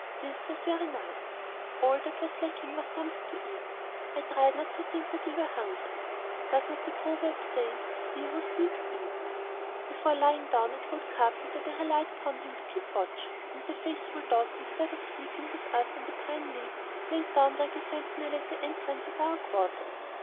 This was very nice. All that was lacking was something to eat. I tried not to think that we were hungry. Does not the proverb say, "He who sleeps, eats." Before lying down I told Capi that I relied upon him to keep watch, and the faithful dog, instead of sleeping with us on the pine leaves, laid down like a sentinel at the entrance of our quarters.